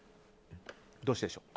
どうしてでしょう？